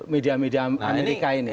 media media amerika ini